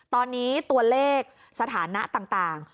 ตอนนี้ตัวเลขสถานะต่าง